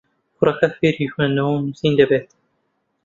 کوڕەکە فێری خوێندنەوە و نووسین دەبێت.